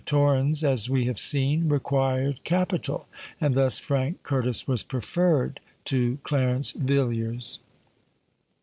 Torrens, as we have seen, required capital; and thus Frank Curtis was preferred to Clarence Villiers.